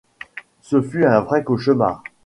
Ce fut un vrai cauchemar.